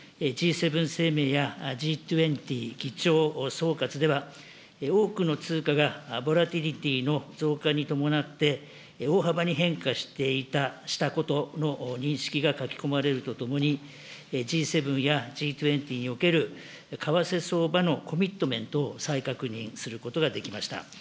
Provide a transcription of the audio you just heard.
Ｇ７声明やＧ２０議長総括では、多くの通貨がボラティリティーの増加に伴って、大幅に変化したことの認識が書き込まれるとともに、Ｇ７やＧ２０における為替相場のコミットメントを再確認することができました。